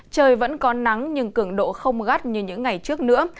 trời vẫn có nắng nhưng cường độ không gắt như những ngày trước nữa